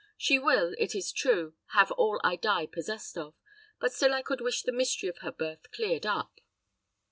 She will, it is true, have all I die possessed of; but still I could wish the mystery of her birth cleared up."